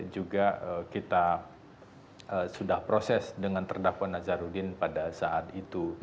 juga kita sudah proses dengan terdakwa nazarudin pada saat itu